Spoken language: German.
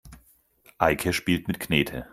Eike spielt mit Knete.